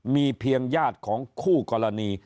มีเพียงญาติของคู่กรณี